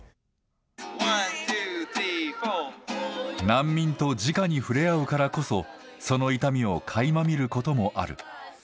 難民とじかに触れ合うからこそ、その痛みをかいま見ることもある。